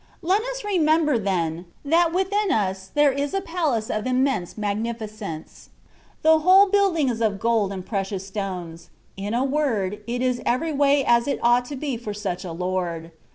Let us remember, then, that within us there is a palace of immense magnificence: the whole buUding is of gold and precious stones: in a word, it is every way as it ought to be for such a Lord.